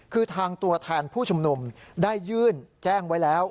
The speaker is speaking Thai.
คือทางตัวแทนผู้ชุมนุมได้ยื่นแจ้งไว้แล้ว